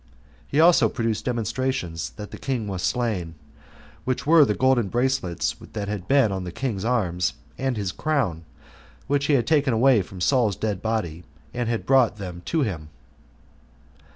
He also produced demonstrations that the king was slain, which were the golden bracelets that had been on the king's arms, and his crown, which he had taken away from Saul's dead body, and had brought them to him.